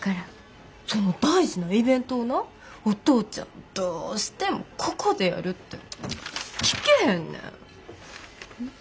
その大事なイベントをなお父ちゃんどうしてもここでやるって聞けへんねん。